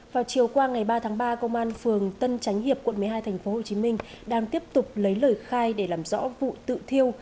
vào chiều qua ngày ba tháng ba công an phường tân chánh hiệp quận một mươi hai tp hcm đang tiếp tục lấy lời khai để làm rõ vụ tự thiêu